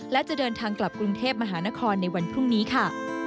และจะเดินทางกลับกรุงเทพมหานครในวันพรุ่งนี้ค่ะ